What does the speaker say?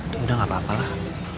udah gak apa apa lah